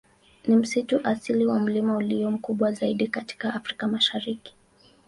Ni msitu asili wa milimani ulio mkubwa zaidi katika Afrika Mashariki.